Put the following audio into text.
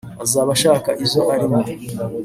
azaba ashaka izo arimo;